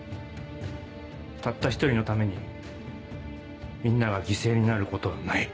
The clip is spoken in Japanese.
たった１人のためにみんなが犠牲になることはない。